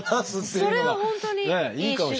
それは本当にいい手段。